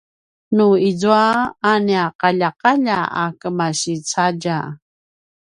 nu izua a nia qaljaqalja a kemasi cadja